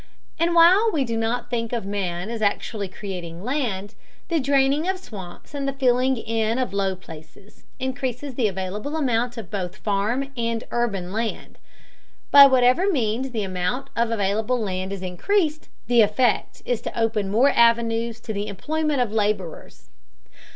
And while we do not think of man as actually creating land, the draining of swamps and the filling in of low places increases the available amount of both farm and urban land. By whatever means the amount of available land is increased, the effect is to open more avenues to the employment of laborers.